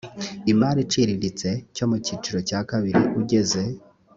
imari iciriritse cyo mu cyiciro cya kabiri ugeze